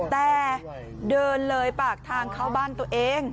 แต่เดินเลยปากทางเข้าบ้านตัวเอง